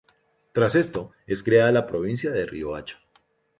Tras esto, es creada la provincia de Riohacha.